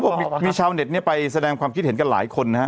ผมบอกว่ามีชาวอเง็ตแสดงความคิดเห็นกับหลายคนหอะ